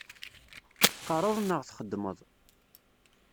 Teqqaṛeḍ neɣ txeddmeḍ?